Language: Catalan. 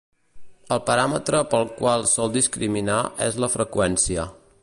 El paràmetre pel qual sol discriminar és la freqüència.